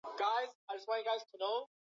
salama mumesimama tumesimama tuna muda mrefu